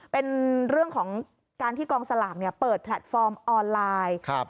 เป็นเรื่องของการที่กองสลากเปิดแพลตฟอร์มออนไลน์